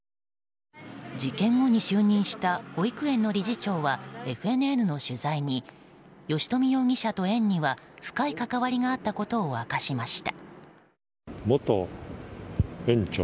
事件後に就任した保育園の理事長はＦＮＮの取材に吉冨容疑者と園には深い関わりがあったことを明かしました。